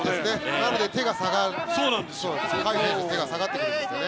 なので手が下がってくるんですよね。